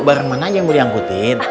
barang mana aja yang boleh diangkutin